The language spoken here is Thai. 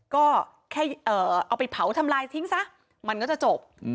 ก็แค่เอาไปเผาทำลายทิ้งซะมันก็จะจบ